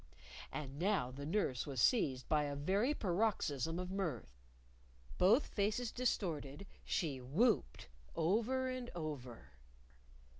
And now the nurse was seized by a very paroxysm of mirth. Both faces distorted, she whopped over and over.